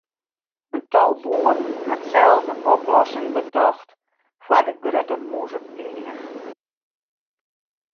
In tal boeren hat sels in oplossing betocht foar de grutte mûzepleach.